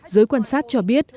giới quan sát cho biết